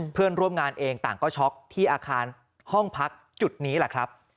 เพื่อนร่วมงานเองต่างก็ช็อกที่อาคารห้องพักจุดนี้แหละครับ